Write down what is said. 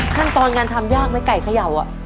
ขั้นตอนการทำยากไหมไก่เขย่า